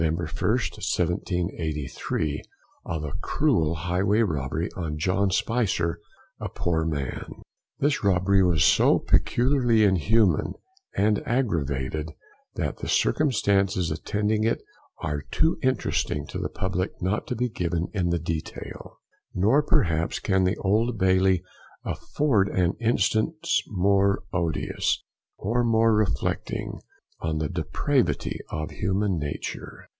1st, 1783, of a Cruel Highway Robbery on JOHN SPICER, a Poor Man. This robbery was so peculiarly inhuman and aggravated, that the circumstances attending it are too interesting to the public not to be given in the detail; nor perhaps can the Old Bailey afford an instance more odious, or more reflecting on the depravity of human nature.